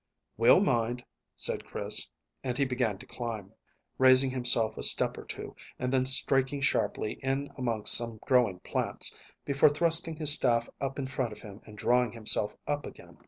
"We'll mind," said Chris, and he began to climb, raising himself a step or two, and then striking sharply in amongst some growing plants, before thrusting his staff up in front of him and drawing himself up again.